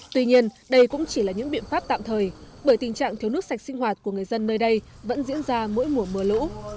tuy nhiên đây cũng chỉ là những biện pháp tạm thời bởi tình trạng thiếu nước sạch sinh hoạt của người dân nơi đây vẫn diễn ra mỗi mùa mưa lũ